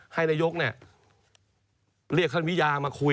ให้น่าโยกเรียกข้านวิญญาณมาคุย